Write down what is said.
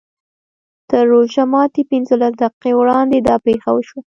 تر روژه ماتي پینځلس دقیقې وړاندې دا پېښه وشوه.